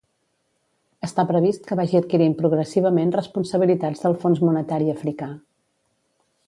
Està previst que vagi adquirint progressivament responsabilitats del Fons Monetari Africà.